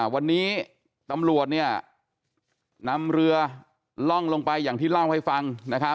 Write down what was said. วันนี้ตำรวจนำเรือล่องลงไปอย่างที่เล่าให้ฟัง